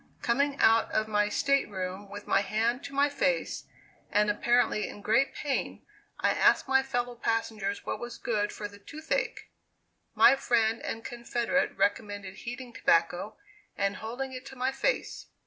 Coming out of my state room, with my hand to my face, and apparently in great pain, I asked my fellow passengers what was good for the tooth ache. My friend and confederate recommended heating tobacco, and holding it to my face.